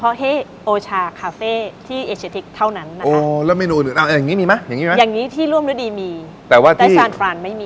ปุ๊ปติวปุ๊ป